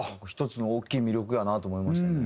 １つの大きい魅力やなと思いましたね。